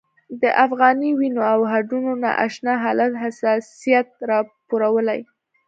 د افغاني وینو او هډونو نا اشنا حالت حساسیت راپارولی.